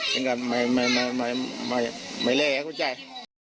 แต่งงั้นมายานมายานไม่แล้วจ่าย